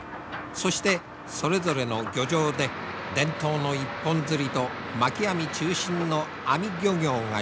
そしてそれぞれの漁場で伝統の一本づりとまき網中心の網漁業がしのぎを削っている。